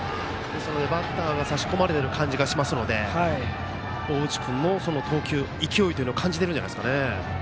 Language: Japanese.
バッターは差し込まれている感じがしますので大内君の投球、勢いを感じていると思います。